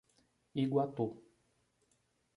Iguatu